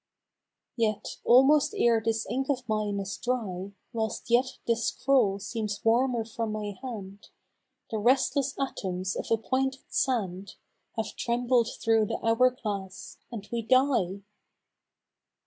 Yes, almost ere this ink of mine is dry, Whilst yet this scroll seems warmer from my hand The restless atoms of appointed sand Have trembled through the hour glass and we die